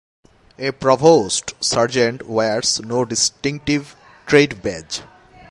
A Provost Sergeant wears no distinctive trade badge.